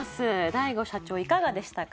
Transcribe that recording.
大悟社長いかがでしたか？